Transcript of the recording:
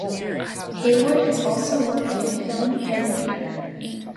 Haywood has also worked in film and theatre.